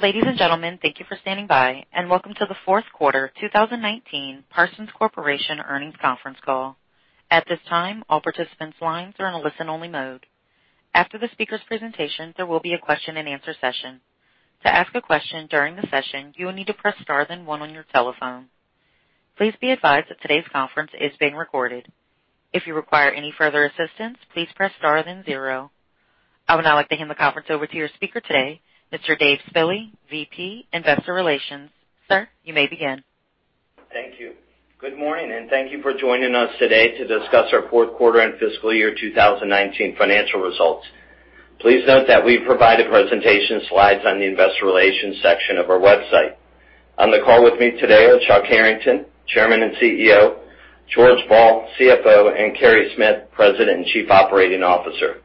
Ladies and gentlemen, thank you for standing by, and welcome to the fourth quarter 2019 Parsons Corporation earnings conference call. At this time, all participants' lines are in a listen-only mode. After the speaker's presentation, there will be a question and answer session. To ask a question during the session, you will need to press star then one on your telephone. Please be advised that today's conference is being recorded. If you require any further assistance, please press star then zero. I would now like to hand the conference over to your speaker today, Mr. Dave Spille, Vice President Investor Relations. Sir, you may begin. Thank you. Good morning, and thank you for joining us today to discuss our fourth quarter and fiscal year 2019 financial results. Please note that we've provided presentation slides on the investor relations section of our website. On the call with me today are Chuck Harrington, Chairman and Chief Executive Officer, George Ball, Chief Financial Officer, and Carey Smith, President and Chief Operating Officer.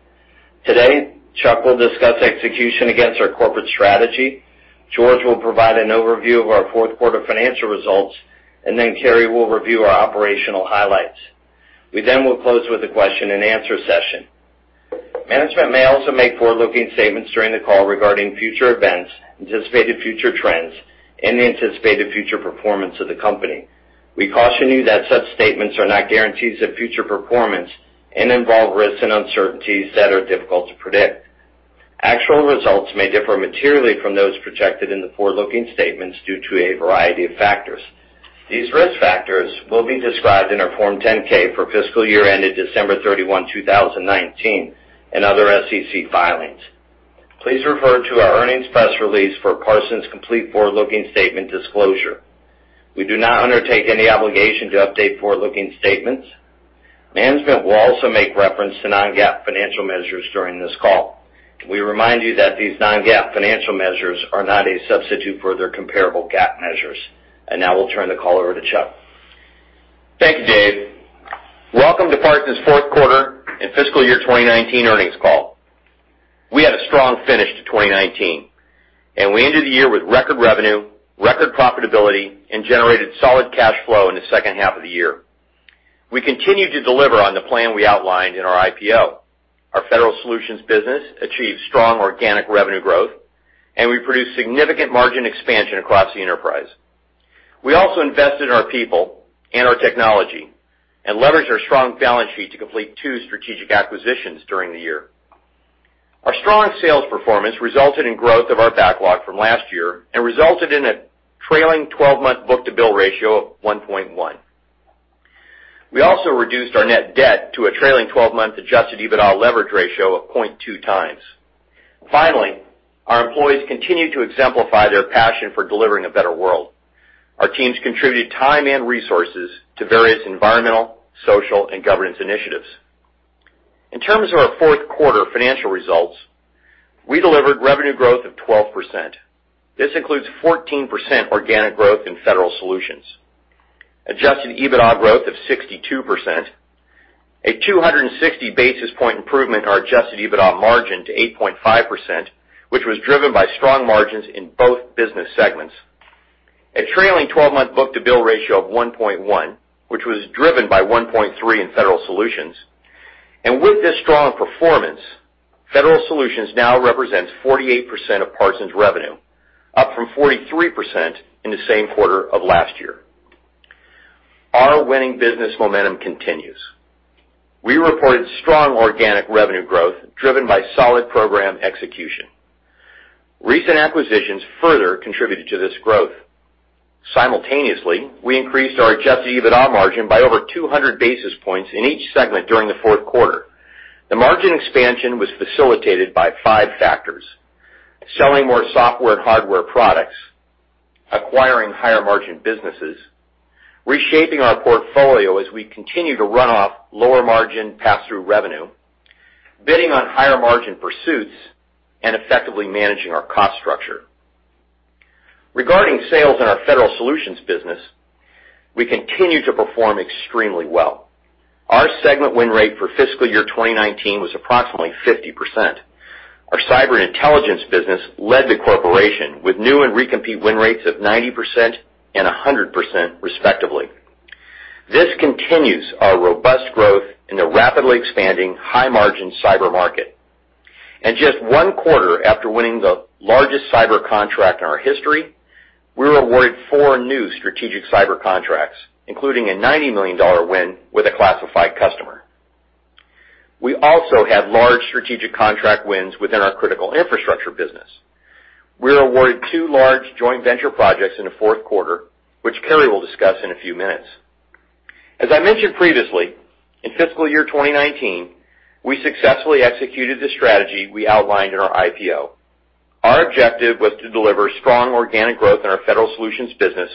Today, Chuck will discuss execution against our corporate strategy, George will provide an overview of our fourth quarter financial results, and then Carey will review our operational highlights. We will close with a question and answer session. Management may also make forward-looking statements during the call regarding future events, anticipated future trends, and the anticipated future performance of the company. We caution you that such statements are not guarantees of future performance and involve risks and uncertainties that are difficult to predict. Actual results may differ materially from those projected in the forward-looking statements due to a variety of factors. These risk factors will be described in our Form 10-K for fiscal year ended December 31, 2019, and other SEC filings. Please refer to our earnings press release for Parsons' complete forward-looking statement disclosure. We do not undertake any obligation to update forward-looking statements. Management will also make reference to non-GAAP financial measures during this call. We remind you that these non-GAAP financial measures are not a substitute for their comparable GAAP measures. Now we'll turn the call over to Chuck. Thank you, Dave. Welcome to Parsons' fourth quarter and fiscal year 2019 earnings call. We had a strong finish to 2019, and we ended the year with record revenue, record profitability, and generated solid cash flow in the second half of the year. We continued to deliver on the plan we outlined in our IPO. Our Federal Solutions business achieved strong organic revenue growth, and we produced significant margin expansion across the enterprise. We also invested in our people and our technology and leveraged our strong balance sheet to complete two strategic acquisitions during the year. Our strong sales performance resulted in growth of our backlog from last year and resulted in a trailing 12-month book-to-bill ratio of 1.1. We also reduced our net debt to a trailing 12-month adjusted EBITDA leverage ratio of 0.2x. Finally, our employees continued to exemplify their passion for delivering a better world. Our teams contributed time and resources to various environmental, social, and governance initiatives. In terms of our fourth quarter financial results, we delivered revenue growth of 12%. This includes 14% organic growth in Federal Solutions, adjusted EBITDA growth of 62%, a 260 basis point improvement in our adjusted EBITDA margin to 8.5%, which was driven by strong margins in both business segments, a trailing 12-month book-to-bill ratio of 1.1, which was driven by 1.3 in Federal Solutions. With this strong performance, Federal Solutions now represents 48% of Parsons' revenue, up from 43% in the same quarter of last year. Our winning business momentum continues. We reported strong organic revenue growth driven by solid program execution. Recent acquisitions further contributed to this growth. Simultaneously, we increased our adjusted EBITDA margin by over 200 basis points in each segment during the fourth quarter. The margin expansion was facilitated by five factors: selling more software and hardware products, acquiring higher margin businesses, reshaping our portfolio as we continue to run off lower margin pass-through revenue, bidding on higher margin pursuits, and effectively managing our cost structure. Regarding sales in our Federal Solutions business, we continue to perform extremely well. Our segment win rate for fiscal year 2019 was approximately 50%. Our cyber intelligence business led the corporation with new and re-compete win rates of 90% and 100%, respectively. This continues our robust growth in the rapidly expanding high-margin cyber market. Just one quarter after winning the largest cyber contract in our history, we were awarded four new strategic cyber contracts, including a $90 million win with a classified customer. We also had large strategic contract wins within our Critical Infrastructure business. We were awarded two large joint venture projects in the fourth quarter, which Carey will discuss in a few minutes. As I mentioned previously, in fiscal year 2019, we successfully executed the strategy we outlined in our IPO. Our objective was to deliver strong organic growth in our Federal Solutions business,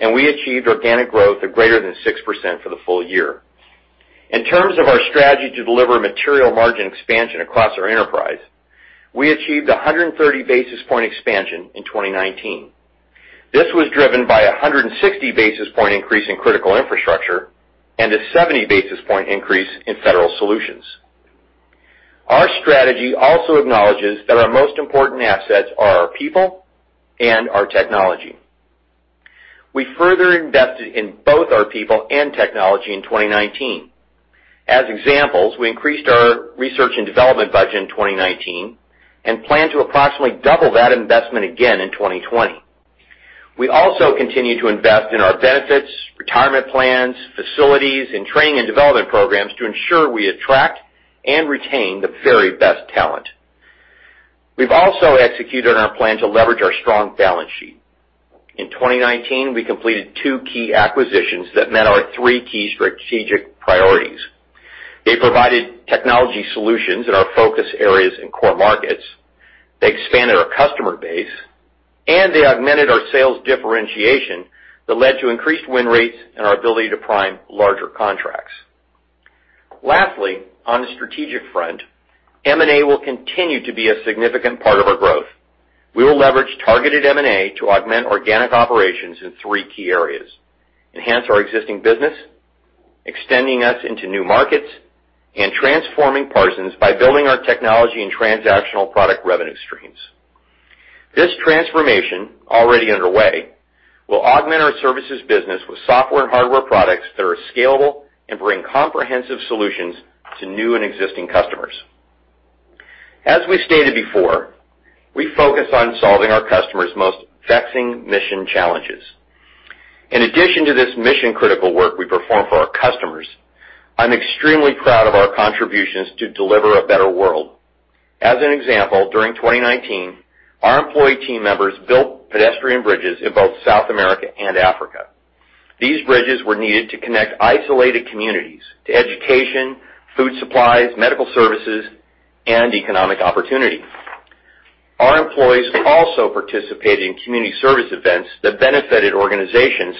and we achieved organic growth of greater than 6% for the full year. In terms of our strategy to deliver material margin expansion across our enterprise, we achieved 130 basis point expansion in 2019. This was driven by 160 basis point increase in Critical Infrastructure and a 70 basis point increase in Federal Solutions. Our strategy also acknowledges that our most important assets are our people and our technology. We further invested in both our people and technology in 2019. As examples, we increased our research and development budget in 2019 and plan to approximately double that investment again in 2020. We also continue to invest in our benefits, retirement plans, facilities, and training and development programs to ensure we attract and retain the very best talent. We've also executed on our plan to leverage our strong balance sheet. In 2019, we completed two key acquisitions that met our three key strategic priorities. They provided technology solutions in our focus areas and core markets, they expanded our customer base, and they augmented our sales differentiation that led to increased win rates and our ability to prime larger contracts. Lastly, on the strategic front, M&A will continue to be a significant part of our growth. We will leverage targeted M&A to augment organic operations in three key areas, enhance our existing business, extending us into new markets, and transforming Parsons by building our technology and transactional product revenue streams. This transformation, already underway, will augment our services business with software and hardware products that are scalable and bring comprehensive solutions to new and existing customers. As we stated before, we focus on solving our customers' most vexing mission challenges. In addition to this mission-critical work we perform for our customers, I'm extremely proud of our contributions to deliver a better world. As an example, during 2019, our employee team members built pedestrian bridges in both South America and Africa. These bridges were needed to connect isolated communities to education, food supplies, medical services, and economic opportunity. Our employees also participated in community service events that benefited organizations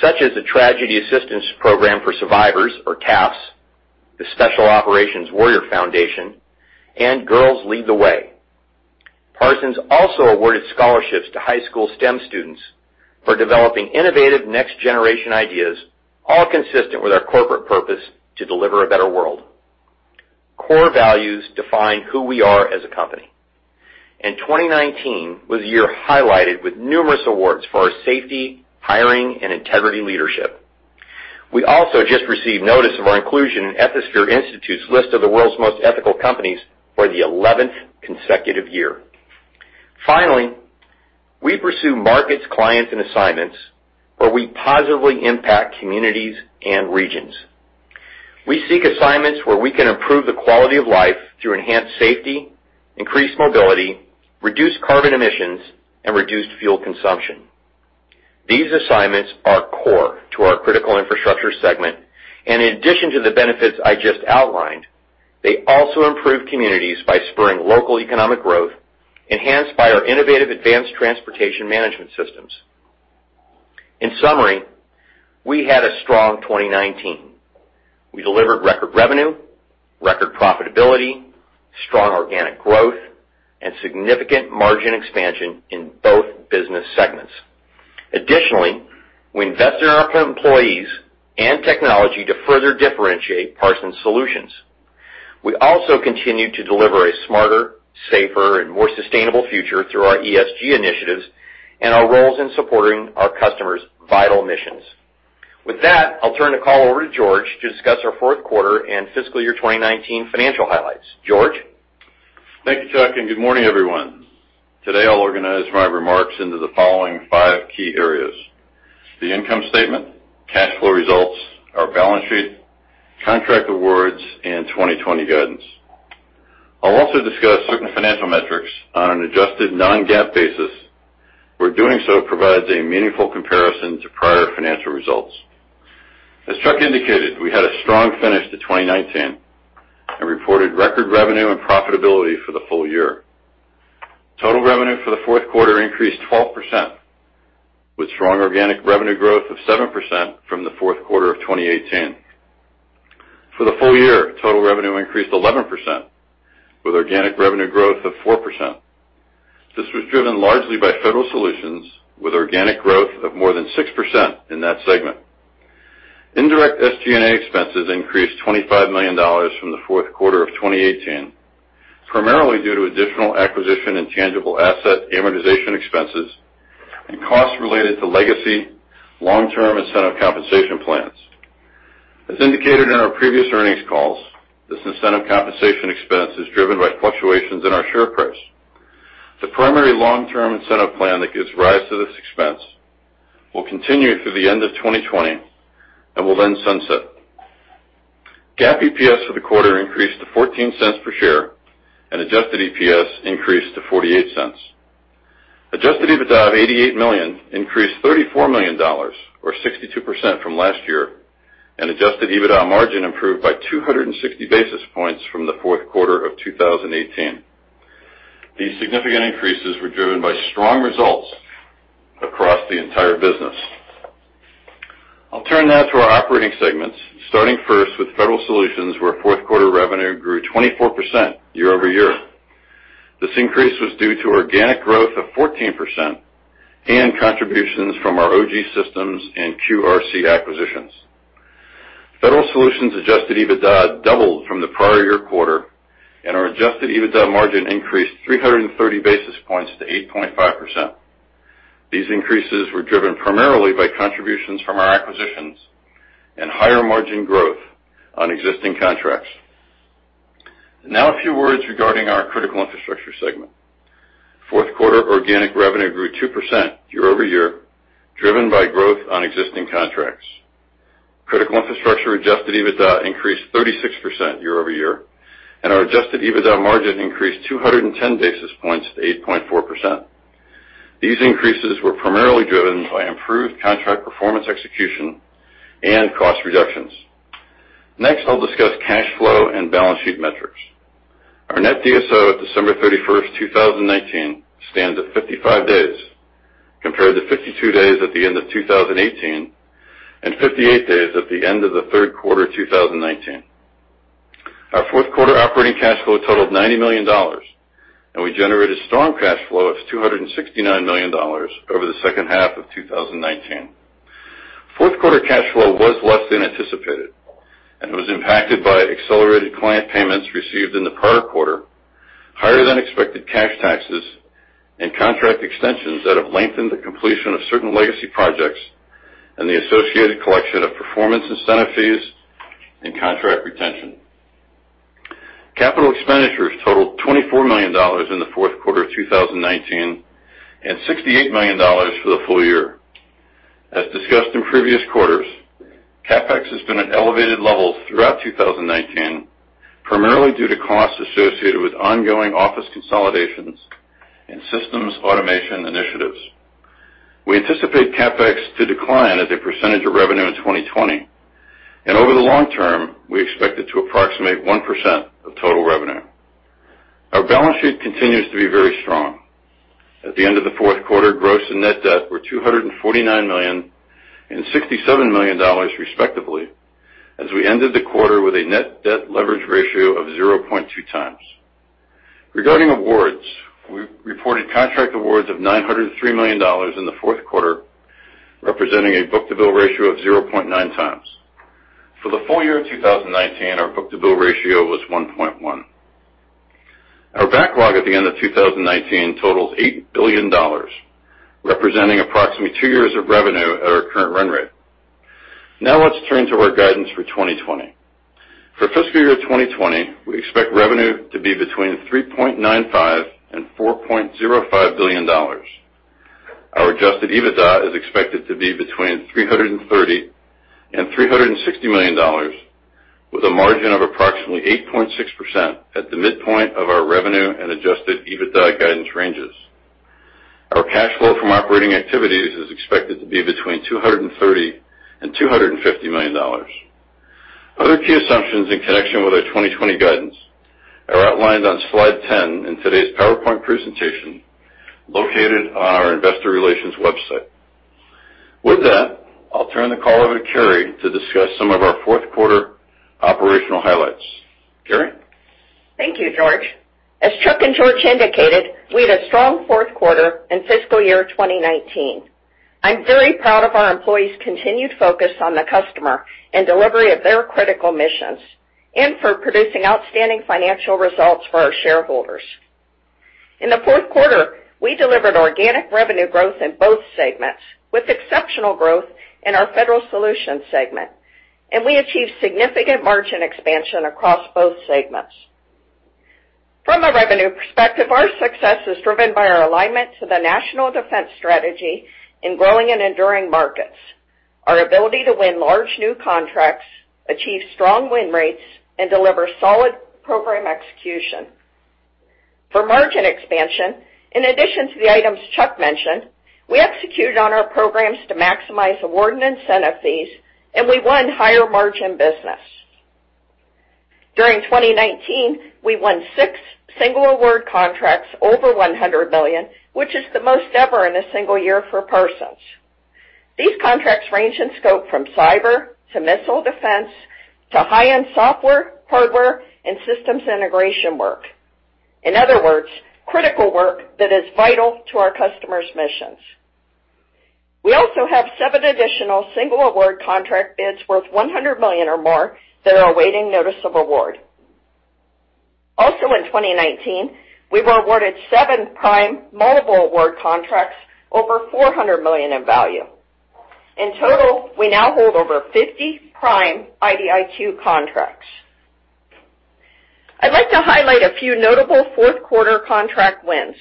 such as the Tragedy Assistance Program for Survivors or TAPS, the Special Operations Warrior Foundation, and Girls Lead the Way. Parsons also awarded scholarships to high school STEM students for developing innovative next-generation ideas, all consistent with our corporate purpose to deliver a better world. Core values define who we are as a company, and 2019 was a year highlighted with numerous awards for our safety, hiring, and integrity leadership. We also just received notice of our inclusion in Ethisphere Institute's list of the world's most ethical companies for the 11th consecutive year. Finally, we pursue markets, clients, and assignments where we positively impact communities and regions. We seek assignments where we can improve the quality of life through enhanced safety, increased mobility, reduced carbon emissions, and reduced fuel consumption. These assignments are core to our Critical Infrastructure segment, and in addition to the benefits I just outlined, they also improve communities by spurring local economic growth, enhanced by our innovative advanced transportation management systems. In summary, we had a strong 2019. We delivered record revenue, record profitability, strong organic growth, and significant margin expansion in both business segments. Additionally, we invested in our employees and technology to further differentiate Parsons solutions. We also continued to deliver a smarter, safer, and more sustainable future through our ESG initiatives and our roles in supporting our customers' vital missions. With that, I'll turn the call over to George to discuss our fourth quarter and fiscal year 2019 financial highlights. George? Thank you, Chuck, and good morning, everyone. Today, I'll organize my remarks into the following five key areas: the income statement, cash flow results, our balance sheet, contract awards, and 2020 guidance. I'll also discuss certain financial metrics on an adjusted non-GAAP basis, where doing so provides a meaningful comparison to prior financial results. As Chuck indicated, we had a strong finish to 2019 and reported record revenue and profitability for the full year. Total revenue for the fourth quarter increased 12%, with strong organic revenue growth of 7% from the fourth quarter of 2018. For the full year, total revenue increased 11%, with organic revenue growth of 4%. This was driven largely by Federal Solutions, with organic growth of more than 6% in that segment. Indirect SG&A expenses increased $25 million from the fourth quarter of 2018, primarily due to additional acquisition and tangible asset amortization expenses and costs related to legacy long-term incentive compensation plans. As indicated in our previous earnings calls, this incentive compensation expense is driven by fluctuations in our share price. The primary long-term incentive plan that gives rise to this expense will continue through the end of 2020 and will then sunset. GAAP EPS for the quarter increased to $0.14 per share, and adjusted EPS increased to $0.48. Adjusted EBITDA of $88 million increased $34 million, or 62% from last year, and adjusted EBITDA margin improved by 260 basis points from the fourth quarter of 2018. These significant increases were driven by strong results across the entire business. I'll turn now to our operating segments, starting first with Federal Solutions, where fourth quarter revenue grew 24% year-over-year. This increase was due to organic growth of 14% and contributions from our OGSystems and QRC acquisitions. Federal Solutions adjusted EBITDA doubled from the prior year quarter, and our adjusted EBITDA margin increased 330 basis points to 8.5%. These increases were driven primarily by contributions from our acquisitions and higher margin growth on existing contracts. Now a few words regarding our Critical Infrastructure segment. Fourth quarter organic revenue grew 2% year-over-year, driven by growth on existing contracts. Critical Infrastructure adjusted EBITDA increased 36% year-over-year, and our adjusted EBITDA margin increased 210 basis points to 8.4%. These increases were primarily driven by improved contract performance execution and cost reductions. Next, I'll discuss cash flow and balance sheet metrics. Our net DSO at December 31st, 2019, stands at 55 days, compared to 52 days at the end of 2018 and 58 days at the end of the third quarter 2019. Our fourth quarter operating cash flow totaled $90 million, and we generated strong cash flow of $269 million over the second half of 2019. Fourth quarter cash flow was less than anticipated and was impacted by accelerated client payments received in the prior quarter, higher than expected cash taxes, and contract extensions that have lengthened the completion of certain legacy projects, and the associated collection of performance incentive fees and contract retention. Capital expenditures totaled $24 million in the fourth quarter of 2019 and $68 million for the full year. As discussed in previous quarters, CapEx has been at elevated levels throughout 2019, primarily due to costs associated with ongoing office consolidations and systems automation initiatives. We anticipate CapEx to decline as a percentage of revenue in 2020, and over the long term, we expect it to approximate 1% of total revenue. Our balance sheet continues to be very strong. At the end of the fourth quarter, gross and net debt were $249 million and $67 million, respectively, as we ended the quarter with a net debt leverage ratio of 0.2x. Regarding awards, we reported contract awards of $903 million in the fourth quarter, representing a book-to-bill ratio of 0.9x. For the full year 2019, our book-to-bill ratio was 1.1. Our backlog at the end of 2019 totaled $8 billion, representing approximately two years of revenue at our current run rate. Let's turn to our guidance for 2020. For fiscal year 2020, we expect revenue to be between $3.95 and $4.05 billion. Our adjusted EBITDA is expected to be between $330 million and $360 million, with a margin of approximately 8.6% at the midpoint of our revenue and adjusted EBITDA guidance ranges. Our cash flow from operating activities is expected to be between $230 million and $250 million. Other key assumptions in connection with our 2020 guidance are outlined on slide 10 in today's PowerPoint presentation, located on our investor relations website. With that, I'll turn the call over to Carey to discuss some of our fourth quarter operational highlights. Carey? Thank you, George. As Chuck and George indicated, we had a strong fourth quarter in fiscal year 2019. I'm very proud of our employees' continued focus on the customer and delivery of their critical missions, and for producing outstanding financial results for our shareholders. In the fourth quarter, we delivered organic revenue growth in both segments, with exceptional growth in our Federal Solutions segment, and we achieved significant margin expansion across both segments. From a revenue perspective, our success is driven by our alignment to the national defense strategy in growing and enduring markets, our ability to win large new contracts, achieve strong win rates, and deliver solid program execution. For margin expansion, in addition to the items Chuck mentioned, we executed on our programs to maximize award and incentive fees, and we won higher margin business. During 2019, we won six single award contracts over $100 million, which is the most ever in a single year for Parsons. These contracts range in scope from cyber to missile defense to high-end software, hardware, and systems integration work. In other words, critical work that is vital to our customers' missions. We also have seven additional single award contract bids worth $100 million or more that are awaiting notice of award. Also in 2019, we were awarded seven prime multiple award contracts over $400 million in value. In total, we now hold over 50 prime IDIQ contracts. I'd like to highlight a few notable fourth quarter contract wins.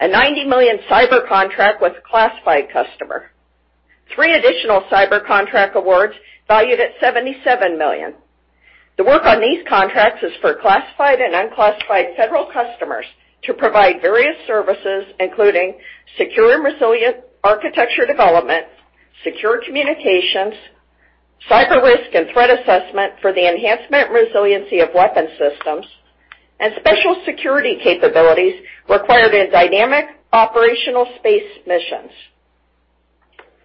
A $90 million cyber contract with a classified customer. Three additional cyber contract awards valued at $77 million. The work on these contracts is for classified and unclassified federal customers to provide various services, including secure and resilient architecture development, secure communications, cyber risk and threat assessment for the enhancement resiliency of weapon systems, and special security capabilities required in dynamic operational space missions.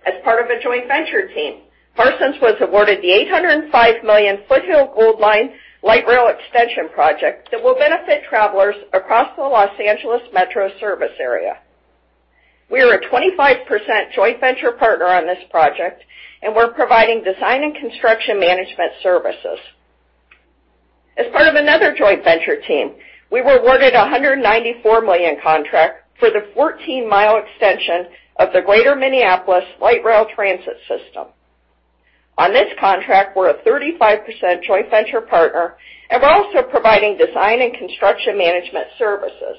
As part of a joint venture team, Parsons was awarded the $805 million Foothill Gold Line light rail extension project that will benefit travelers across the Los Angeles Metro service area. We are a 25% joint venture partner on this project, and we're providing design and construction management services. As part of another joint venture team, we were awarded a $194 million contract for the 14 mi extension of the Greater Minneapolis light rail transit system. On this contract, we're a 35% joint venture partner, and we're also providing design and construction management services.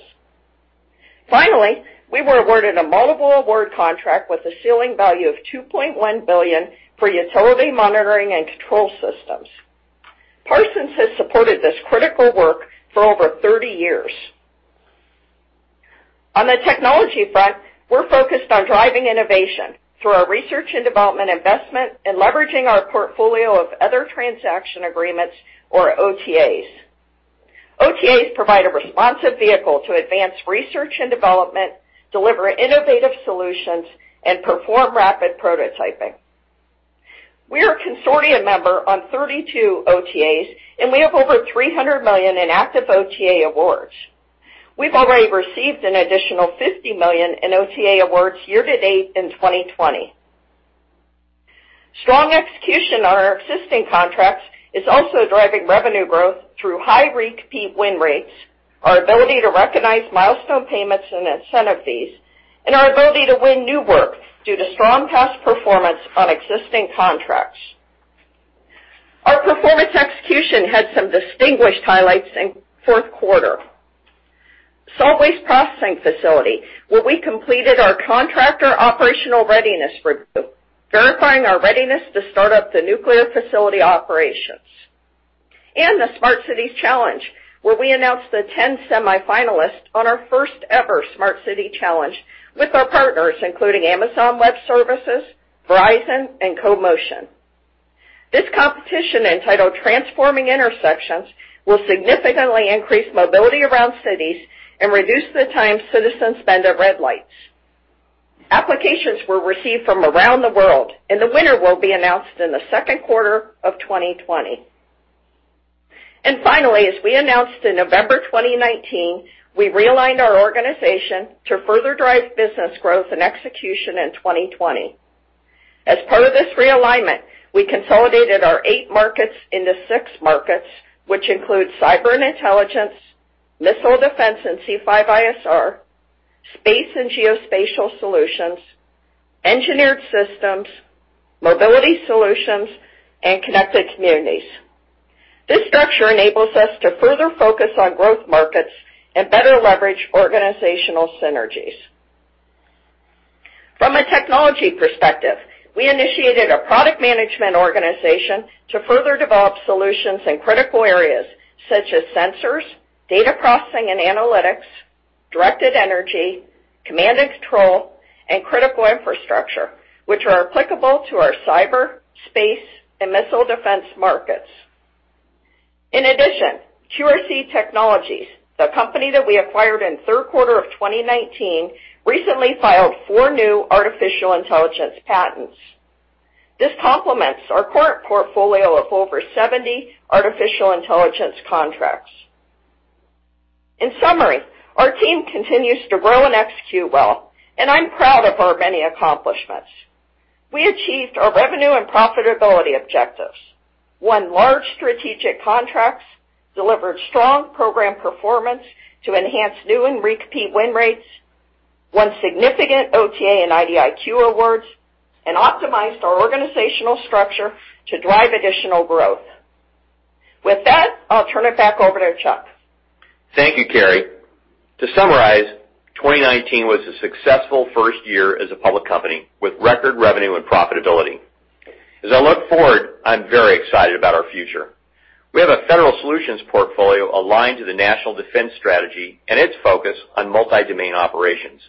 Finally, we were awarded a multiple award contract with a ceiling value of $2.1 billion for utility monitoring and control systems. Parsons has supported this critical work for over 30 years. On the technology front, we're focused on driving innovation through our research and development investment and leveraging our portfolio of Other Transaction Agreements or OTAs. OTAs provide a responsive vehicle to advance research and development, deliver innovative solutions, and perform rapid prototyping. We are a consortium member on 32 OTAs, and we have over $300 million in active OTA awards. We've already received an additional $50 million in OTA awards year to date in 2020. Strong execution on our existing contracts is also driving revenue growth through high repeat win rates, our ability to recognize milestone payments and incentive fees, and our ability to win new work due to strong past performance on existing contracts. Our performance execution had some distinguished highlights in fourth quarter. Solid waste processing facility, where we completed our contractor operational readiness review, verifying our readiness to start up the nuclear facility operations. The Smart Cities Challenge, where we announced the 10 semifinalists on our first ever Smart Cities Challenge with our partners, including Amazon Web Services, Verizon, and CoMotion. This competition, entitled Transforming Intersections, will significantly increase mobility around cities and reduce the time citizens spend at red lights. Applications were received from around the world, and the winner will be announced in the second quarter of 2020. Finally, as we announced in November 2019, we realigned our organization to further drive business growth and execution in 2020. As part of this realignment, we consolidated our eight markets into six markets, which include cyber and intelligence, missile defense and C5ISR, space and geospatial solutions, engineered systems, mobility solutions, and connected communities. This structure enables us to further focus on growth markets and better leverage organizational synergies. From a technology perspective, we initiated a product management organization to further develop solutions in critical areas such as sensors, data processing and analytics, directed energy, command and control, and Critical Infrastructure, which are applicable to our cyber, space, and missile defense markets. QRC Technologies, the company that we acquired in third quarter of 2019, recently filed four new artificial intelligence patents. This complements our current portfolio of over 70 artificial intelligence contracts. Our team continues to grow and execute well, and I'm proud of our many accomplishments. We achieved our revenue and profitability objectives, won large strategic contracts, delivered strong program performance to enhance new and repeat win rates, won significant OTA and IDIQ awards, and optimized our organizational structure to drive additional growth. With that, I'll turn it back over to Chuck. Thank you, Carey. To summarize, 2019 was a successful first year as a public company with record revenue and profitability. As I look forward, I'm very excited about our future. We have a Federal Solutions portfolio aligned to the National Defense Strategy and its focus on multi-domain operations.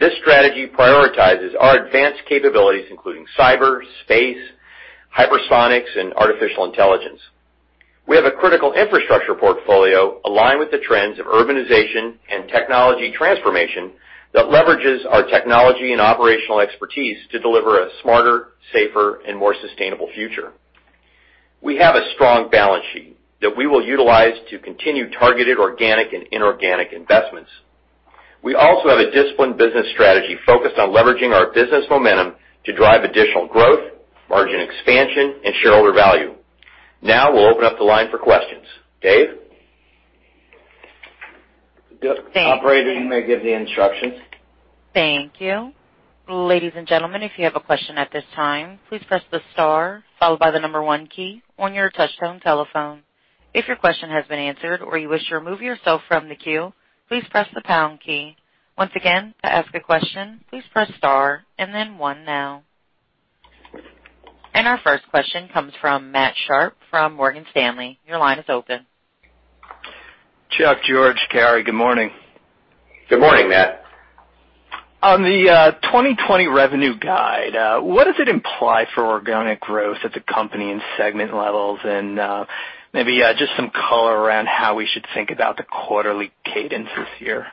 This strategy prioritizes our advanced capabilities, including cyber, space, hypersonics, and artificial intelligence. We have a Critical Infrastructure portfolio aligned with the trends of urbanization and technology transformation that leverages our technology and operational expertise to deliver a smarter, safer, and more sustainable future. We have a strong balance sheet that we will utilize to continue targeted organic and inorganic investments. We have a disciplined business strategy focused on leveraging our business momentum to drive additional growth, margin expansion, and shareholder value. We'll open up the line for questions. Dave? Operator, you may give the instructions. Thank you. Ladies and gentlemen, if you have a question at this time, please press the star followed by the number 1 key on your touch tone telephone. If your question has been answered or you wish to remove yourself from the queue, please press the pound key. Once again, to ask a question, please press star and then one now. Our first question comes from Matt Sharpe from Morgan Stanley. Your line is open. Chuck, George, Carey, good morning. Good morning, Matt. On the 2020 revenue guide, what does it imply for organic growth at the company and segment levels? Maybe just some color around how we should think about the quarterly cadences here.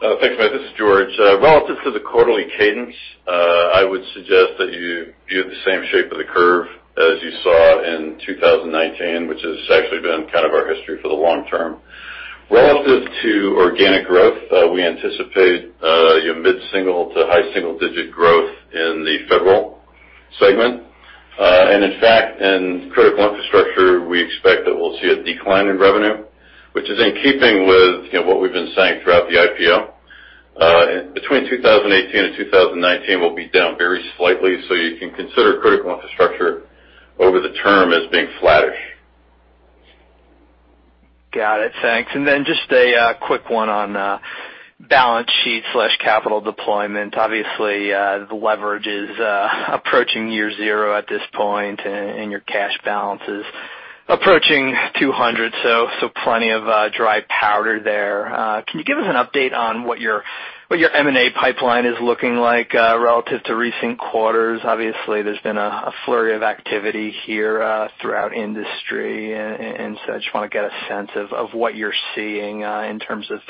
Thanks, Matt. This is George. Relative to the quarterly cadence, I would suggest that you view the same shape of the curve as you saw in 2019, which has actually been kind of our history for the long term. Relative to organic growth, we anticipate mid-single to high single digit growth in the Federal Solutions. In fact, in Critical Infrastructure, we expect that we'll see a decline in revenue, which is in keeping with what we've been saying throughout the IPO. Between 2018 and 2019, we'll be down very slightly, so you can consider Critical Infrastructure over the term as being flattish. Got it. Thanks. Just a quick one on balance sheet/capital deployment. Obviously, the leverage is approaching year zero at this point, and your cash balance is approaching $200, so plenty of dry powder there. Can you give us an update on what your M&A pipeline is looking like relative to recent quarters? Obviously, there's been a flurry of activity here throughout industry and such. We want to get a sense of what you're seeing in terms of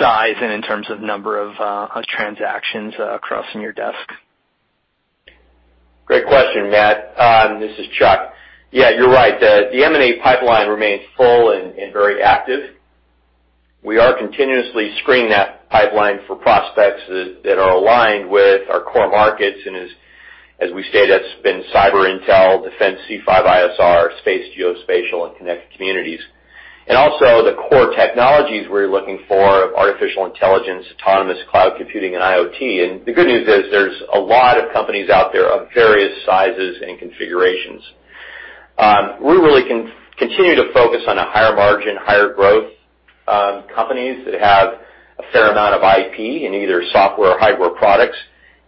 size and in terms of number of transactions crossing your desk. Great question, Matt. This is Chuck. Yeah, you're right. The M&A pipeline remains full and very active. We are continuously screening that pipeline for prospects that are aligned with our core markets. As we state, that's been cyber intel, defense C5ISR, space, geospatial, and connected communities. Also, the core technologies we're looking for, artificial intelligence, autonomous cloud computing, and IoT. The good news is there's a lot of companies out there of various sizes and configurations. We really continue to focus on a higher margin, higher growth companies that have a fair amount of IP in either software or hardware products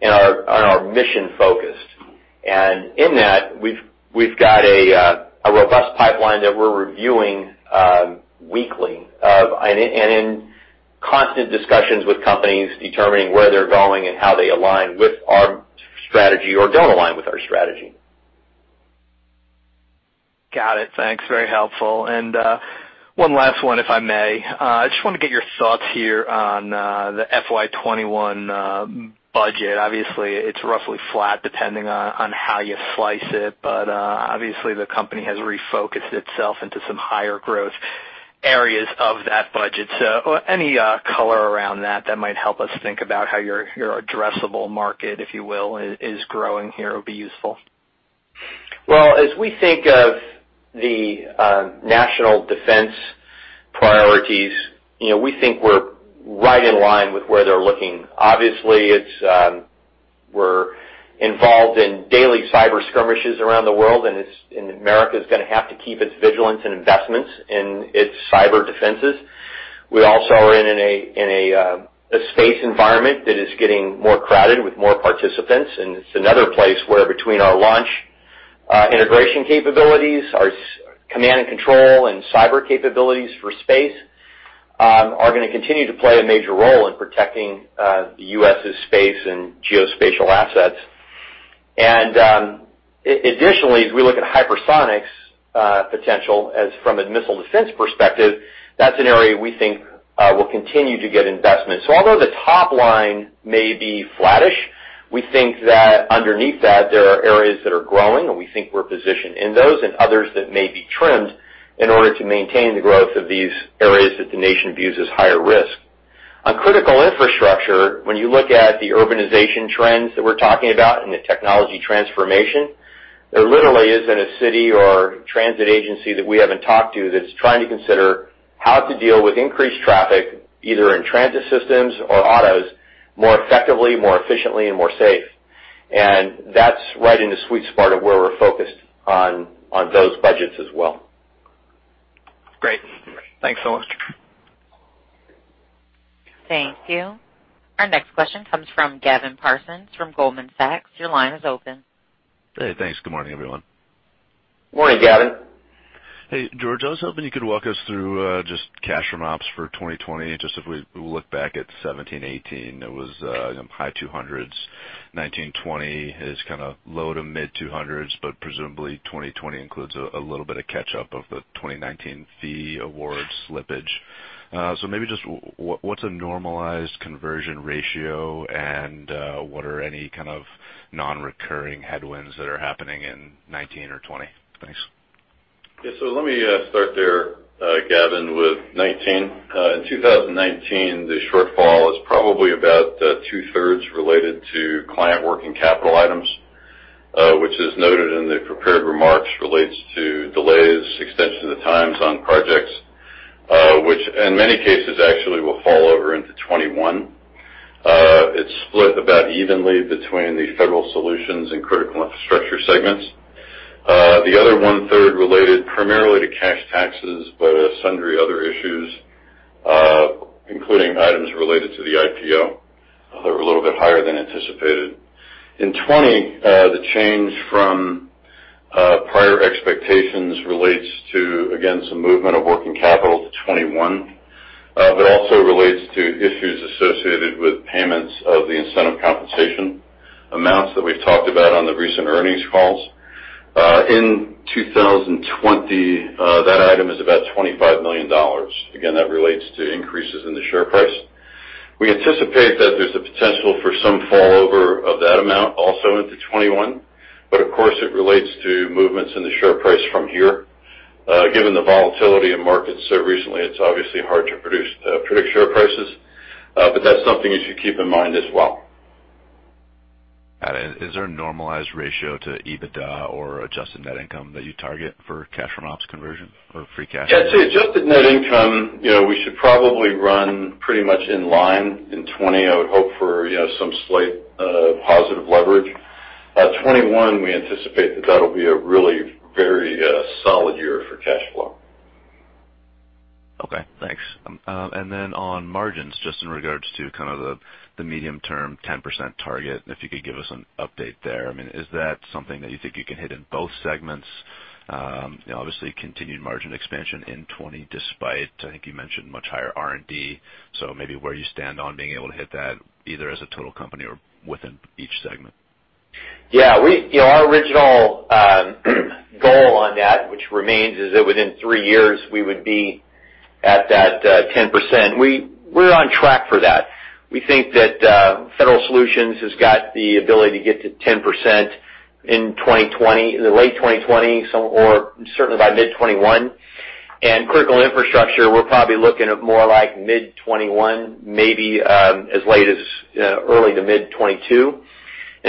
and are mission-focused. In that, we've got a robust pipeline that we're reviewing weekly and in constant discussions with companies determining where they're going and how they align with our strategy or don't align with our strategy. Got it. Thanks. Very helpful. One last one, if I may. I just want to get your thoughts here on the FY 2021 budget. Obviously, it's roughly flat depending on how you slice it, but obviously the company has refocused itself into some higher growth areas of that budget. Any color around that might help us think about how your addressable market, if you will, is growing here would be useful. Well, as we think of the national defense priorities, we think we're right in line with where they're looking. Obviously, we're involved in daily cyber skirmishes around the world, and America's going to have to keep its vigilance and investments in its cyber defenses. We also are in a space environment that is getting more crowded with more participants, and it's another place where between our launch integration capabilities, our command and control, and cyber capabilities for space, are going to continue to play a major role in protecting the U.S.'s space and geospatial assets. Additionally, as we look at hypersonics potential as from a missile defense perspective, that's an area we think will continue to get investment. Although the top line may be flattish, we think that underneath that, there are areas that are growing, and we think we're positioned in those and others that may be trimmed in order to maintain the growth of these areas that the nation views as higher risk. On Critical Infrastructure, when you look at the urbanization trends that we're talking about and the technology transformation, there literally isn't a city or transit agency that we haven't talked to that's trying to consider how to deal with increased traffic, either in transit systems or autos, more effectively, more efficiently, and more safe. That's right in the sweet spot of where we're focused on those budgets as well. Great. Thanks so much. Thank you. Our next question comes from Gavin Parsons from Goldman Sachs. Your line is open. Hey, thanks. Good morning, everyone. Morning, Gavin. Hey, George. I was hoping you could walk us through just cash from ops for 2020. Just if we look back at 2017, 2018, it was high 200s. 2019, 2020 is kind of low to mid 200s, but presumably 2020 includes a little bit of catch-up of the 2019 fee award slippage. Maybe just what's a normalized conversion ratio and what are any kind of non-recurring headwinds that are happening in 2019 or 2020? Thanks. Yeah. Let me start there, Gavin, with 2019. In 2019, the shortfall is probably about two-thirds related to client working capital items, which as noted in the prepared remarks, relates to delays, extension of the times on projects, which in many cases actually will fall over into 2021. It's split about evenly between the Federal Solutions and Critical Infrastructure segments. The other one-third related primarily to cash taxes, sundry other issues, including items related to the IPO that were a little bit higher than anticipated. In 2020, the change from prior expectations relates to, again, some movement of working capital to 2021. Also relates to issues associated with payments of the incentive compensation amounts that we've talked about on the recent earnings calls. In 2020, that item is about $25 million. Again, that relates to increases in the share price. We anticipate that there's a potential for some fallover of that amount also into 2021, but of course, it relates to movements in the share price from here. Given the volatility in markets recently, it's obviously hard to predict share prices. That's something you should keep in mind as well. Got it. Is there a normalized ratio to EBITDA or adjusted net income that you target for cash from ops conversion or free cash? Yeah. To adjusted net income, we should probably run pretty much in line in 2020. I would hope for some slight positive leverage. 2021, we anticipate that will be a really very solid year for cash flow. Okay, thanks. On margins, just in regards to the medium-term 10% target, and if you could give us an update there. Is that something that you think you can hit in both segments? Obviously, continued margin expansion in 2020, despite, I think you mentioned much higher R&D. Maybe where you stand on being able to hit that either as a total company or within each segment? Our original goal on that, which remains, is that within three years, we would be at that 10%. We're on track for that. We think that Federal Solutions has got the ability to get to 10% in late 2020, or certainly by mid 2021. Critical Infrastructure, we're probably looking at more like mid 2021, maybe as late as early to mid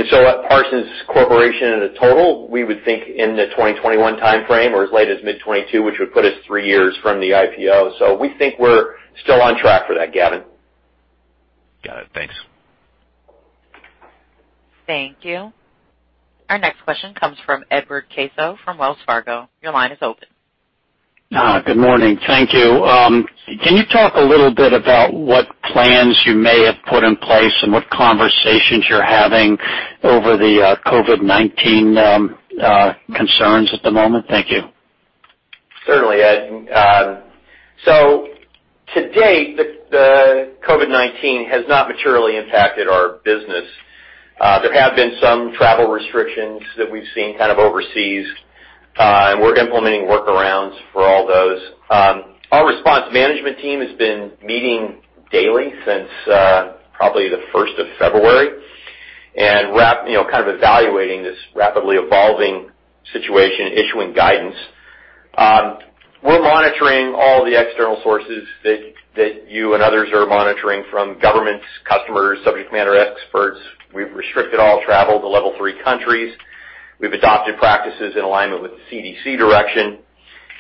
2022. At Parsons Corporation as a total, we would think in the 2021 timeframe or as late as mid 2022, which would put us tree years from the IPO. We think we're still on track for that, Gavin. Got it. Thanks. Thank you. Our next question comes from Ed Caso from Wells Fargo. Your line is open. Good morning. Thank you. Can you talk a little bit about what plans you may have put in place and what conversations you're having over the COVID-19 concerns at the moment? Thank you. Certainly, Ed. To date, the COVID-19 has not materially impacted our business. There have been some travel restrictions that we've seen overseas, and we're implementing workarounds for all those. Our response management team has been meeting daily since probably the 1st of February and evaluating this rapidly evolving situation, issuing guidance. We're monitoring all the external sources that you and others are monitoring from governments, customers, subject matter experts. We've restricted all travel to level three countries. We've adopted practices in alignment with the CDC direction.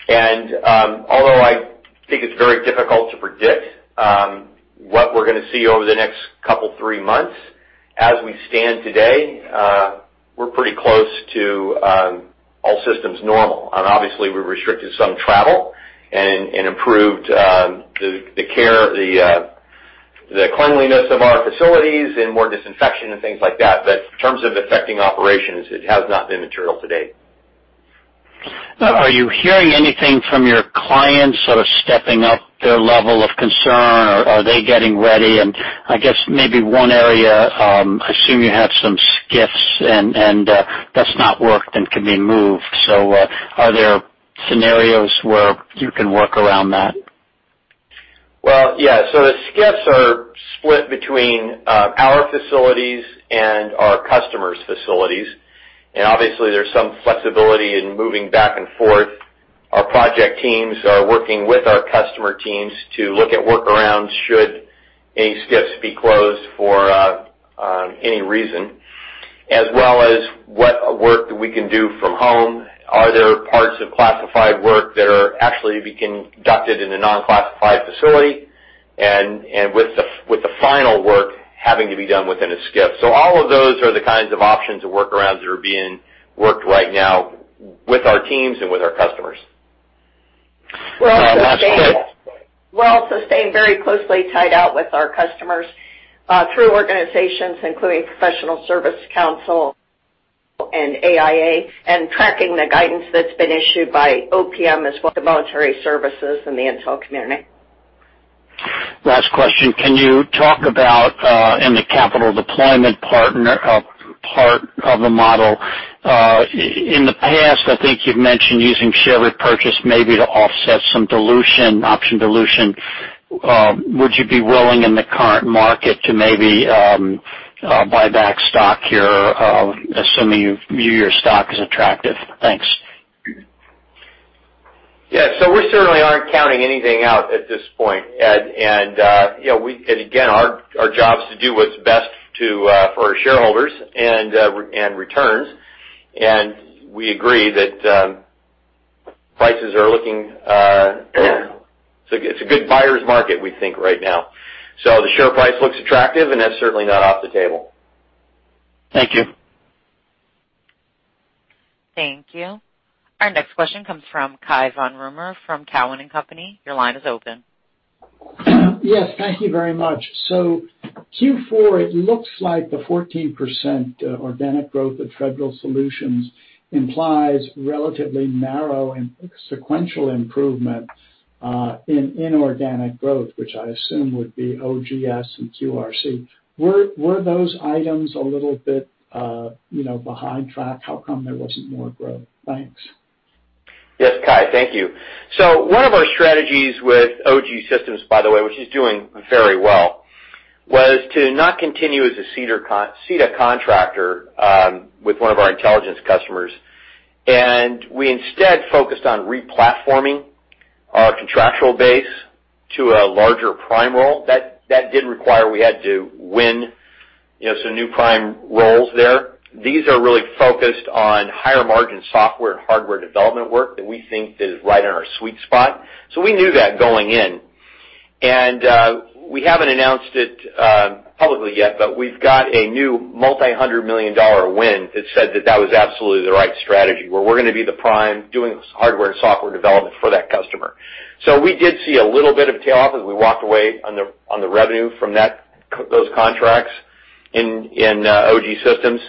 Although I think it's very difficult to predict what we're going to see over the next couple three months, as we stand today, we're pretty close to all systems normal. Obviously, we restricted some travel and improved the care, the cleanliness of our facilities and more disinfection and things like that. In terms of affecting operations, it has not been material to date. Are you hearing anything from your clients sort of stepping up their level of concern, or are they getting ready? I guess maybe one area, I assume you have some SCIFs and that's not work that can be moved. Are there scenarios where you can work around that? Yeah. The SCIFs are split between our facilities and our customers' facilities. Obviously, there's some flexibility in moving back and forth. Our project teams are working with our customer teams to look at workarounds should any SCIFs be closed for any reason, as well as what work we can do from home. Are there parts of classified work that are actually being conducted in a non-classified facility and with the final work having to be done within a SCIF? All of those are the kinds of options and workarounds that are being worked right now with our teams and with our customers. We're also staying very closely tied out with our customers through organizations including Professional Services Council and AIA, and tracking the guidance that's been issued by OPM as well as the military services and the intel community. Last question. Can you talk about in the capital deployment part of the model, in the past, I think you've mentioned using share repurchase maybe to offset some dilution, option dilution. Would you be willing in the current market to maybe buy back stock here, assuming you view your stock as attractive? Thanks. Yeah. We certainly aren't counting anything out at this point, Ed. Again, our job is to do what's best for our shareholders and returns. We agree that it's a good buyer's market, we think, right now. The share price looks attractive, and that's certainly not off the table. Thank you. Thank you. Our next question comes from Cai Von Rumohr from Cowen and Company. Your line is open. Yes. Thank you very much. Q4, it looks like the 14% organic growth of Federal Solutions implies relatively narrow and sequential improvement in inorganic growth, which I assume would be OGS and QRC. Were those items a little bit behind track? How come there wasn't more growth? Thanks. Yes, Cai. Thank you. One of our strategies with OGSystems, by the way, which is doing very well, was to not continue as a SETA contractor with one of our intelligence customers. We instead focused on replatforming our contractual base to a larger prime role. That did require we had to win some new prime roles there. These are really focused on higher margin software and hardware development work that we think is right in our sweet spot. We knew that going in. We haven't announced it publicly yet, but we've got a new multi-$100 million win that said that that was absolutely the right strategy, where we're going to be the prime doing hardware and software development for that customer. We did see a little bit of a tail off as we walked away on the revenue from those contracts in OGSystems.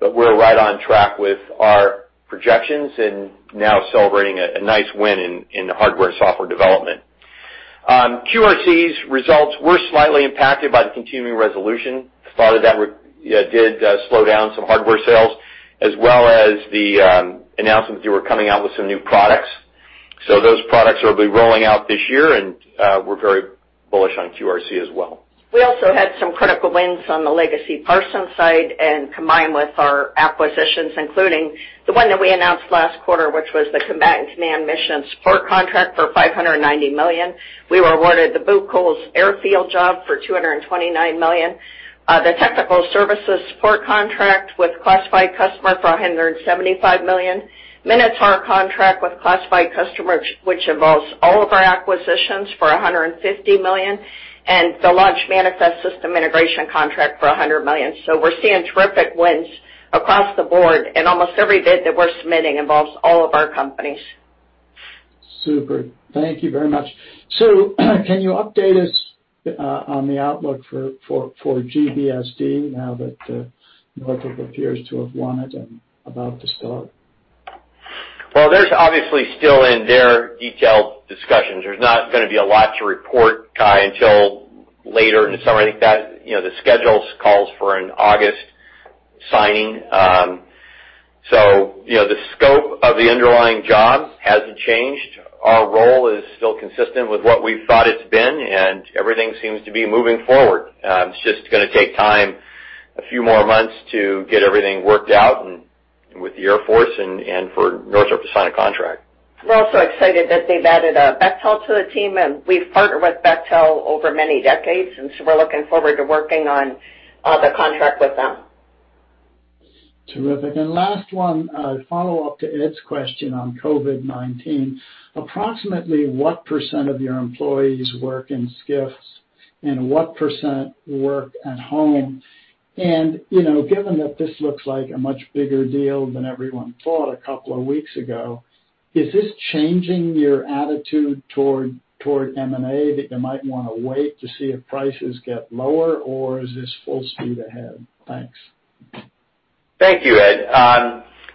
We're right on track with our projections and now celebrating a nice win in the hardware-software development. QRC's results were slightly impacted by the continuing resolution. Part of that did slow down some hardware sales as well as the announcement that they were coming out with some new products. Those products will be rolling out this year, and we're very bullish on QRC as well. We also had some critical wins on the legacy Parsons side and combined with our acquisitions, including the one that we announced last quarter, which was the Combatant Command Mission support contract for $590 million. We were awarded the Bucholz airfield job for $229 million. The technical services support contract with classified customer for $175 million. Minotaur contract with classified customer, which involves all of our acquisitions for $150 million, and the launch manifest system integration contract for $100 million. We're seeing terrific wins across the board, and almost every bid that we're submitting involves all of our companies. Super. Thank you very much. Sir, can you update us on the outlook for GBSD now that Northrop appears to have won it and about to start? Well, they're obviously still in their detailed discussions. There's not going to be a lot to report, Cai, until later in the summer. I think that the schedule calls for an August signing. The scope of the underlying job hasn't changed. Our role is still consistent with what we thought it's been, and everything seems to be moving forward. It's just going to take time, a few more months to get everything worked out and with the Air Force and for Northrop to sign a contract. We're also excited that they've added Bechtel to the team. We've partnered with Bechtel over many decades. We're looking forward to working on the contract with them. Terrific. Last one, a follow-up to Ed's question on COVID-19. Approximately what percent of your employees work in SCIFs and what percent work at home? Given that this looks like a much bigger deal than everyone thought a couple of weeks ago, is this changing your attitude toward M&A that you might want to wait to see if prices get lower, or is this full speed ahead? Thanks. Thank you, Ed.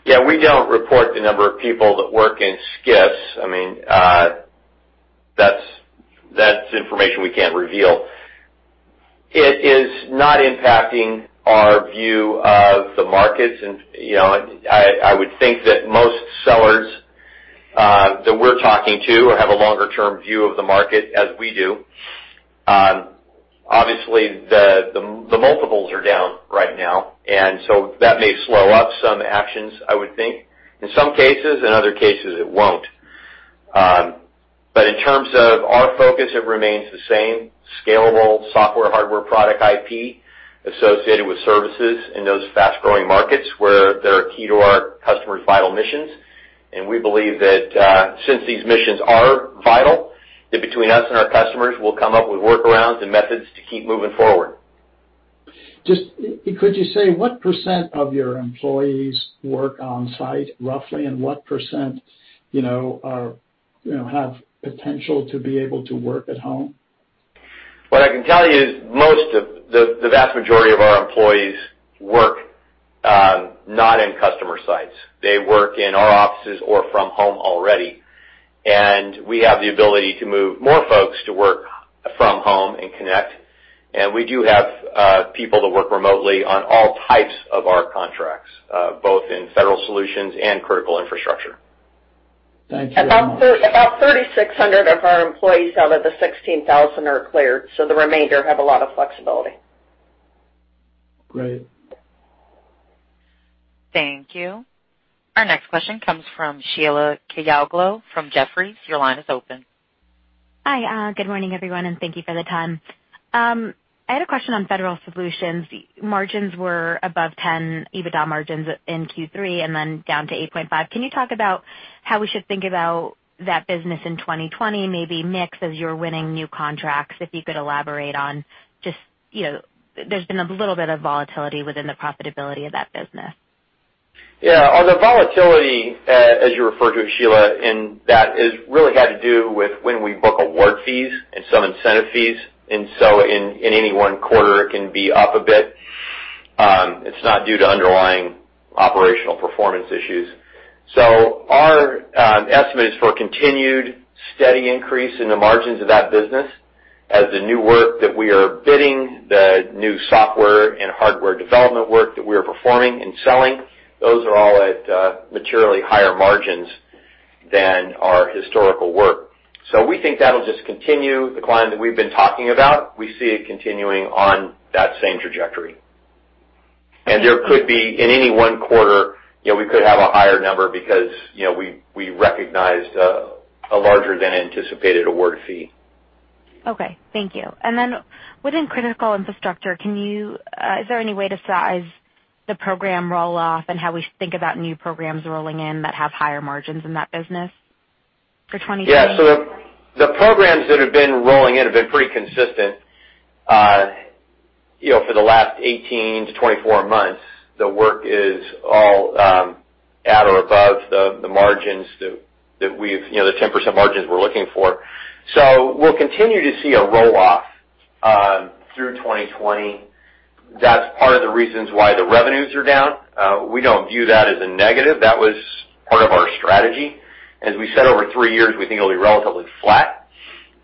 Yeah, we don't report the number of people that work in SCIFs. That's information we can't reveal. It is not impacting our view of the markets. I would think that most sellers that we're talking to have a longer-term view of the market as we do. Obviously, the multiples are down right now, that may slow up some actions, I would think, in some cases. In other cases, it won't. In terms of our focus, it remains the same. Scalable software, hardware, product IP associated with services in those fast-growing markets where they're key to our customers' vital missions. We believe that since these missions are vital, that between us and our customers, we'll come up with workarounds and methods to keep moving forward. Just could you say what percent of your employees work on-site, roughly, and what percent have potential to be able to work at home? What I can tell you is the vast majority of our employees work not in customer sites. They work in our offices or from home already. We have the ability to move more folks to work from home and connect. We do have people that work remotely on all types of our contracts both in Federal Solutions and Critical Infrastructure. Thank you very much. About 3,600 of our employees out of the 16,000 are cleared, so the remainder have a lot of flexibility. Great. Thank you. Our next question comes from Sheila Kahyaoglu from Jefferies. Your line is open. Hi. Good morning, everyone, and thank you for the time. I had a question on Federal Solutions. Margins were above 10 EBITDA margins in Q3 and then down to 8.5. Can you talk about how we should think about that business in 2020, maybe mix as you're winning new contracts, if you could elaborate on just, there's been a little bit of volatility within the profitability of that business. Yeah. On the volatility, as you refer to it, Sheila, and that has really had to do with when we book award fees and some incentive fees. In any one quarter, it can be up a bit. It's not due to underlying operational performance issues. Our estimate is for continued steady increase in the margins of that business as the new work that we are bidding, the new software and hardware development work that we are performing and selling, those are all at materially higher margins than our historical work. We think that'll just continue. The climb that we've been talking about, we see it continuing on that same trajectory. There could be, in any one quarter, we could have a higher number because we recognized a larger than anticipated award fee. Okay, thank you. Then within Critical Infrastructure, is there any way to size the program roll-off and how we think about new programs rolling in that have higher margins in that business for 2020? Yeah. The programs that have been rolling in have been pretty consistent. For the last 18 to 24 months, the work is all at or above the margins, the 10% margins we're looking for. We'll continue to see a roll-off through 2020. That's part of the reasons why the revenues are down. We don't view that as a negative. That was part of our strategy. As we said, over three years, we think it'll be relatively flat.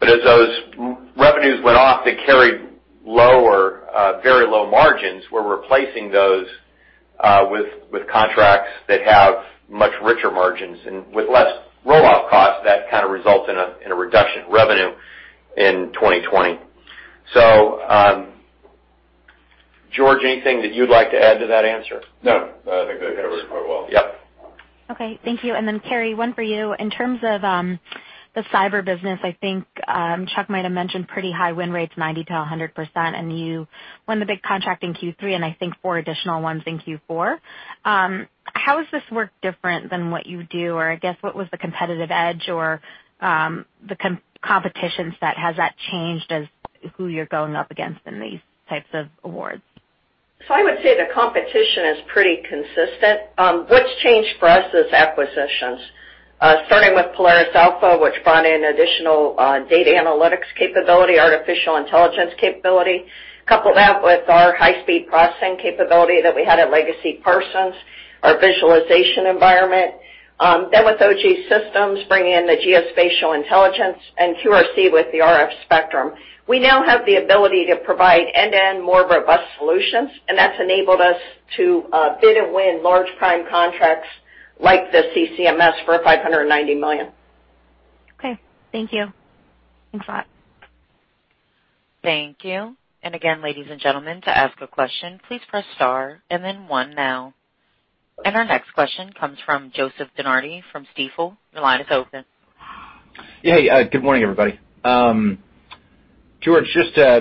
As those revenues went off, they carried very low margins. We're replacing those with contracts that have much richer margins and with less roll-off costs that kind of result in a reduction in revenue in 2020. George, anything that you'd like to add to that answer? No, I think that hit it pretty well. Yep. Okay, thank you. Then Carey, one for you. In terms of the cyber business, I think Chuck might have mentioned pretty high win rates, 90%-100%. You won the big contract in Q3 and I think four additional ones in Q4. How is this work different than what you do? I guess, what was the competitive edge or the competitions? Has that changed as who you're going up against in these types of awards? I would say the competition is pretty consistent. What's changed for us is acquisitions. Starting with Polaris Alpha, which brought in additional data analytics capability, artificial intelligence capability. Couple that with our high-speed processing capability that we had at Legacy Parsons, our visualization environment. With OGSystems, bringing in the geospatial intelligence, and QRC with the RF spectrum. We now have the ability to provide end-to-end, more robust solutions, and that's enabled us to bid and win large prime contracts like the CCMS for $590 million. Okay, thank you. Thanks a lot. Thank you. Again, ladies and gentlemen, to ask a question, please press star and then one now. Our next question comes from Joseph DeNardi from Stifel. Your line is open. Hey, good morning, everybody. George, Sorry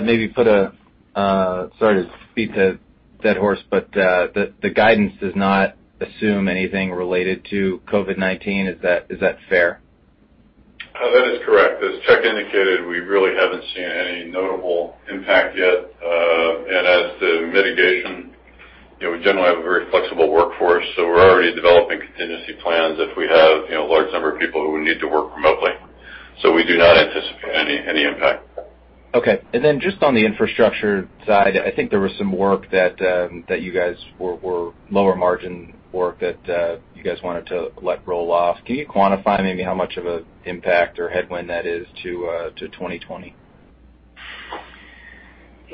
to beat that dead horse, The guidance does not assume anything related to COVID-19. Is that fair? That is correct. As Chuck indicated, we really haven't seen any notable impact yet. As to mitigation, we generally have a very flexible workforce, so we're already developing contingency plans if we have a large number of people who would need to work remotely. We do not anticipate any impact. Okay. Just on the infrastructure side, I think there was some lower margin work that you guys wanted to let roll off. Can you quantify maybe how much of an impact or headwind that is to 2020?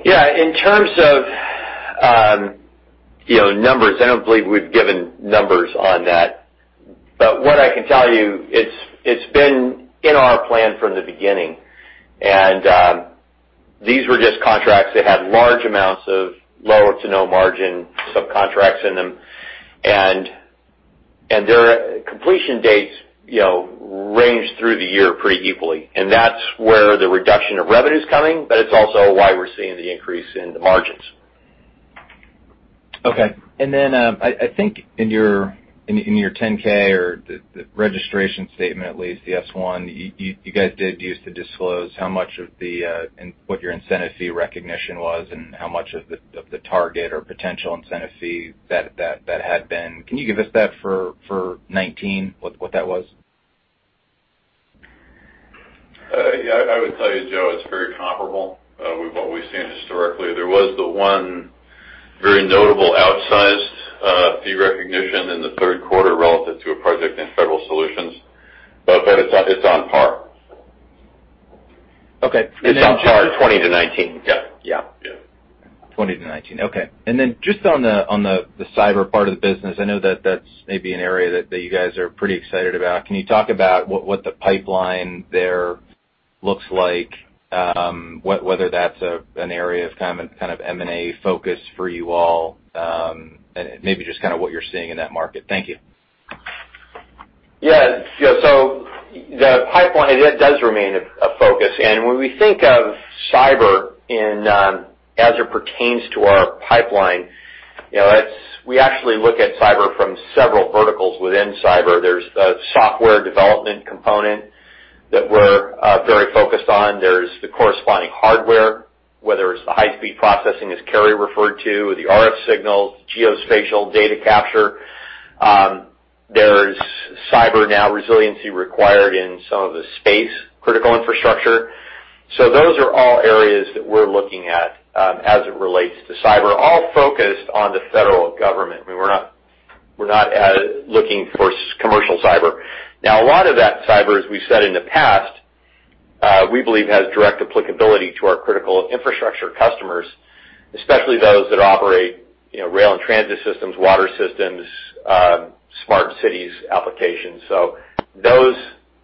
Yeah. In terms of numbers, I don't believe we've given numbers on that. What I can tell you, it's been in our plan from the beginning. These were just contracts that had large amounts of low to no margin subcontracts in them. Their completion dates ranged through the year pretty equally. That's where the reduction of revenue's coming, but it's also why we're seeing the increase in the margins. Okay. I think in your 10-K or the registration statement, at least the S-1, you guys did used to disclose what your incentive fee recognition was and how much of the target or potential incentive fee that had been. Can you give us that for 2019, what that was? Yeah. I would tell you, Joe, it's very comparable with what we've seen historically. There was the one very notable outsized fee recognition in the third quarter relative to a project in Federal Solutions. It's on par. Okay. It's on par 2020 to 2019. 2020 to 2019. Okay. Just on the cyber part of the business, I know that that's maybe an area that you guys are pretty excited about. Can you talk about what the pipeline there looks like? Whether that's an area of kind of M&A focus for you all, and maybe just kind of what you're seeing in that market. Thank you. Yeah. The pipeline, it does remain a focus. When we think of cyber as it pertains to our pipeline, we actually look at cyber from several verticals within cyber. There's a software development component that we're very focused on. There's the corresponding hardware, whether it's the high-speed processing, as Carey referred to, the RF signals, geospatial data capture. There's cyber now resiliency required in some of the space Critical Infrastructure. Those are all areas that we're looking at as it relates to cyber, all focused on the federal government. We're not looking for commercial cyber. Now, a lot of that cyber, as we've said in the past, we believe has direct applicability to our Critical Infrastructure customers, especially those that operate rail and transit systems, water systems, Smart Cities applications. Those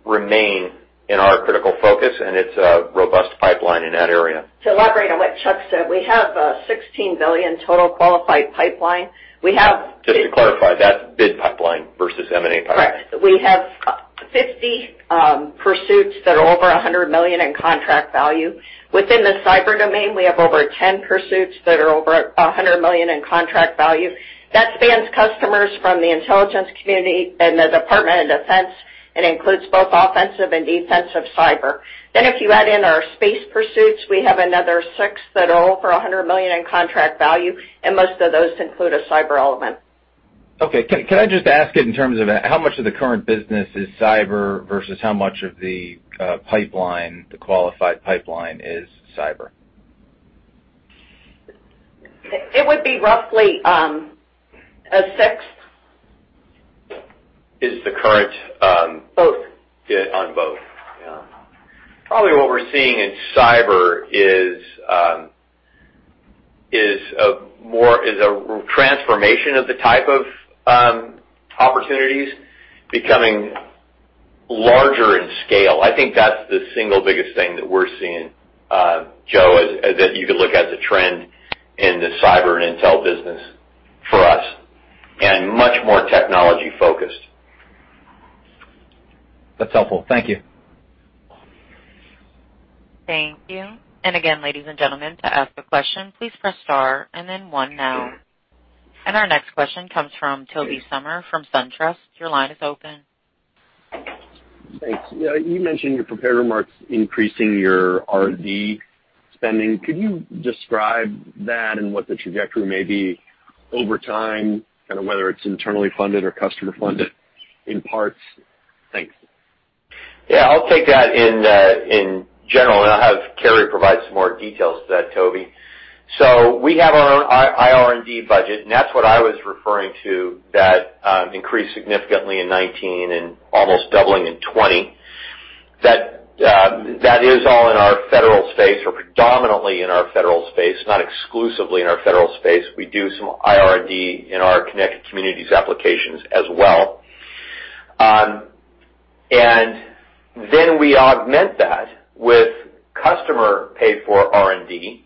remain in our critical focus, and it's a robust pipeline in that area. To elaborate on what Chuck said, we have $16 billion total qualified pipeline. Just to clarify, that's bid pipeline versus M&A pipeline. Correct. We have 50 pursuits that are over $100 million in contract value. Within the cyber domain, we have over 10 pursuits that are over $100 million in contract value. That spans customers from the intelligence community and the Department of Defense and includes both offensive and defensive cyber. If you add in our space pursuits, we have another six that are over $100 million in contract value, and most of those include a cyber element. Okay. Can I just ask it in terms of how much of the current business is cyber versus how much of the qualified pipeline is cyber? It would be roughly a sixth. Is the current- Both. Yeah, on both. Yeah. Probably what we're seeing in cyber is a transformation of the type of opportunities becoming larger in scale. I think that's the single biggest thing that we're seeing, Joe, that you could look at as a trend in the cyber and intel business for us, and much more technology-focused. That's helpful. Thank you. Thank you. Again, ladies and gentlemen, to ask a question, please press star and then one now. Our next question comes from Tobey Sommer from SunTrust. Your line is open. Thanks. You mentioned your prepared remarks increasing your R&D spending. Could you describe that and what the trajectory may be over time, kind of whether it's internally funded or customer funded in parts? Thanks. Yeah, I'll take that in general, and I'll have Carey provide some more details to that, Tobey. We have our IR&D budget, and that's what I was referring to that increased significantly in 2019 and almost doubling in 2020. That is all in our Federal Solutions or predominantly in our Federal Solutions, not exclusively in our Federal Solutions. We do some IR&D in our connected communities applications as well. We augment that with customer paid for R&D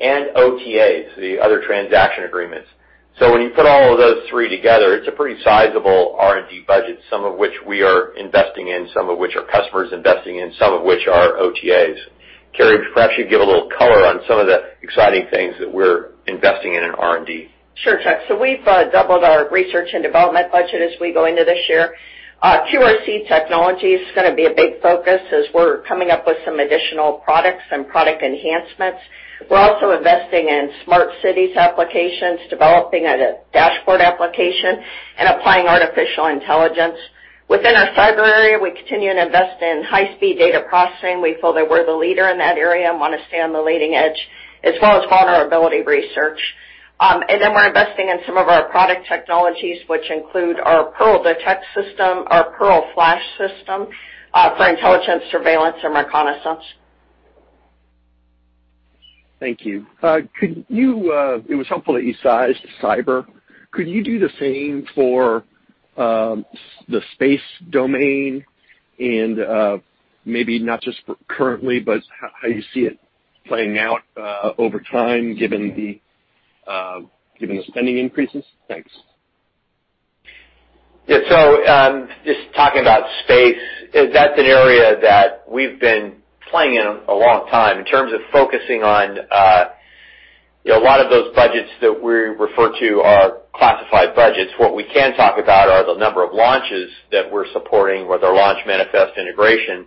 and OTAs, the other transaction agreements. When you put all of those three together, it's a pretty sizable R&D budget, some of which we are investing in, some of which are customers investing in, some of which are OTAs. Carey, perhaps you give a little color on some of the exciting things that we're investing in R&D. Sure, Chuck. We've doubled our research and development budget as we go into this year. QRC Technologies is going to be a big focus as we're coming up with some additional products and product enhancements. We're also investing in Smart Cities applications, developing a dashboard application, and applying artificial intelligence. Within our cyber area, we continue to invest in high-speed data processing. We feel that we're the leader in that area and want to stay on the leading edge, as well as vulnerability research. We're investing in some of our product technologies, which include our PeARL Detect system, our PeARL Flash system, for intelligence, surveillance, and reconnaissance. Thank you. It was helpful that you sized cyber. Could you do the same for the space domain and maybe not just currently, but how you see it playing out over time given the spending increases? Thanks. Yeah. Just talking about space, that's an area that we've been playing in a long time in terms of focusing on a lot of those budgets that we refer to are classified budgets. What we can talk about are the number of launches that we're supporting with our launch manifest integration,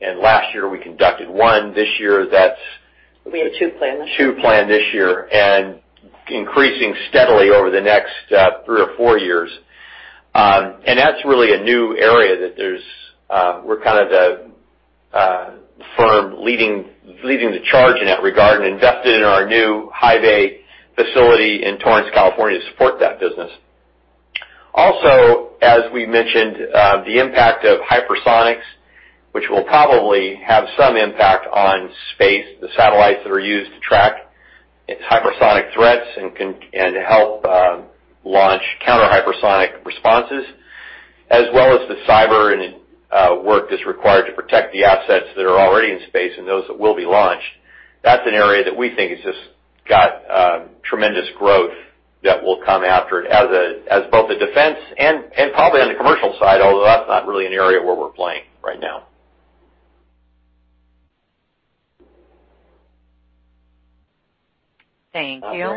and last year we conducted one. We have two planned this year. Two planned this year and increasing steadily over the next three or four years. That's really a new area that we're kind of the firm leading the charge in that regard and invested in our new High Bay facility in Torrance, California, to support that business. Also, as we mentioned, the impact of hypersonics, which will probably have some impact on space, the satellites that are used to track its hypersonic threats and help launch counter hypersonic responses, as well as the cyber and work that's required to protect the assets that are already in space and those that will be launched. That's an area that we think has just got tremendous growth that will come after it as both a defense and probably on the commercial side, although that's not really an area where we're playing right now. Thank you.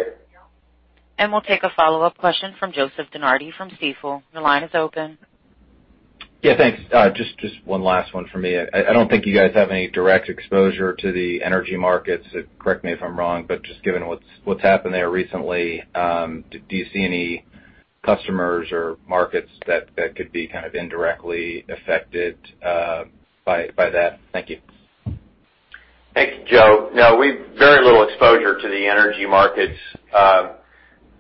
We'll take a follow-up question from Joseph DeNardi from Stifel. Your line is open. Yeah, thanks. Just one last one for me. I don't think you guys have any direct exposure to the energy markets, correct me if I'm wrong, just given what's happened there recently, do you see any customers or markets that could be kind of indirectly affected by that? Thank you. Thank you, Joe. No, we've very little exposure to the energy markets.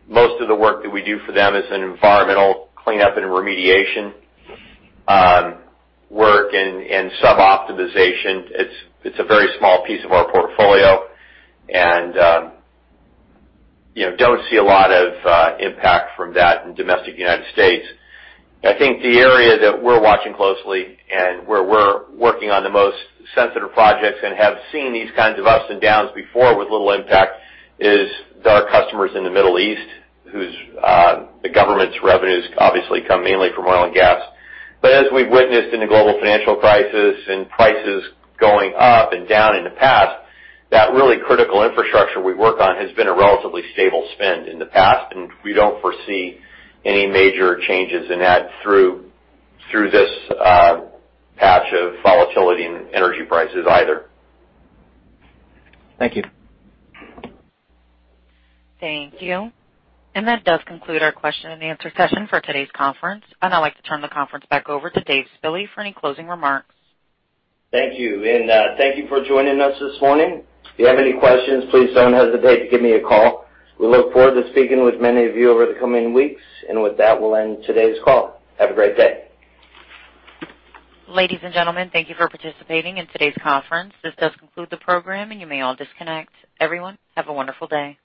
Most of the work that we do for them is in environmental cleanup and remediation work and some optimization. It's a very small piece of our portfolio. Don't see a lot of impact from that in domestic U.S. I think the area that we're watching closely and where we're working on the most sensitive projects and have seen these kinds of ups and downs before with little impact is our customers in the Middle East, the government's revenues obviously come mainly from oil and gas. As we've witnessed in the global financial crisis and prices going up and down in the past, that really Critical Infrastructure we work on has been a relatively stable spend in the past, and we don't foresee any major changes in that through this patch of volatility in energy prices either. Thank you. Thank you. That does conclude our question and answer session for today's conference. I'd now like to turn the conference back over to Dave Spille for any closing remarks. Thank you. Thank you for joining us this morning. If you have any questions, please don't hesitate to give me a call. We look forward to speaking with many of you over the coming weeks. With that, we'll end today's call. Have a great day. Ladies and gentlemen, thank you for participating in today's conference. This does conclude the program, and you may all disconnect. Everyone, have a wonderful day.